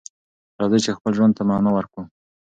راځئ چې خپل ژوند ته معنی ورکړو.